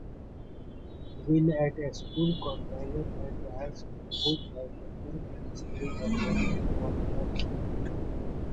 While at school, Crozier had trials with both Hibernian and Stirling Albion football clubs.